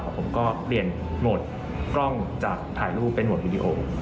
ผมก็เปลี่ยนโหมดกล้องจากถ่ายรูปเป็นโหมดวิดีโอ